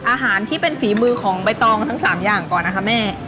อาหารที่เป็นฝีมือของใบตองทั้ง๓อย่างก่อนนะคะแม่